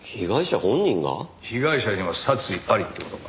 被害者にも殺意ありって事か。